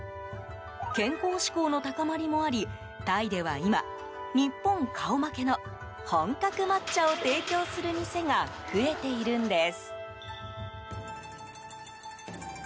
健康志向の高まりもありタイでは今、日本顔負けの本格抹茶を提供する店が増えているんです。